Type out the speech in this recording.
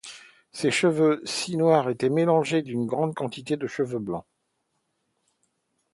Ces cheveux si noirs étaient mélangés d’une grande quantité de cheveux blancs.